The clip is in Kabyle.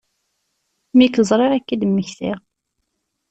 Mi k-ẓriɣ i k-d-mmektiɣ.